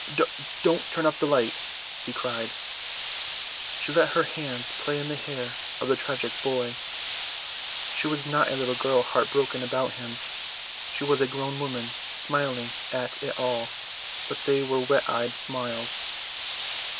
"Don't turn up the light," he cried. She let her hands play in the hair of the tragic boy. She was not a little girl heart broken about him; she was a grown woman smiling at it all, but they were wet eyed smiles.